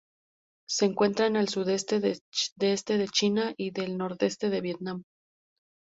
Se encuentra en el sudeste y este de China y el nordeste de Vietnam.